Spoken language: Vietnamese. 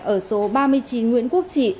ở số ba mươi chín nguyễn quốc trị